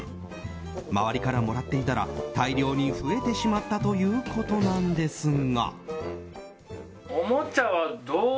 周りからもらっていたら大量に増えてしまったということなんですが。